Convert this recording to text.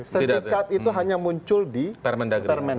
setingkat itu hanya muncul di permendagri